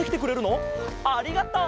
ありがとう！